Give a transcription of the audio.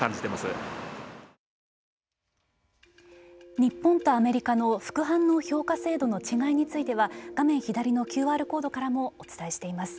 日本とアメリカの副反応評価制度の違いについては画面左のＱＲコードからもお伝えしています。